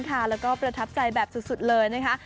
แล้วก็ประทับใจแบบสุดเลยนะคะ